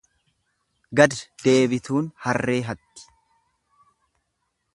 Gad deebituun harree hatti.